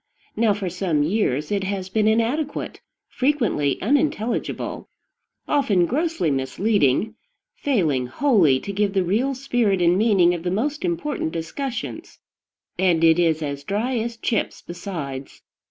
Now, for some years it has been inadequate, frequently unintelligible, often grossly misleading, failing wholly to give the real spirit and meaning of the most important discussions; and it is as dry as chips besides.